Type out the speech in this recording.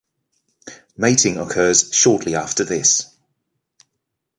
Mating occurs shortly after this.